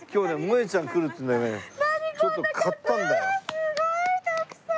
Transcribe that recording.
すごいたくさん！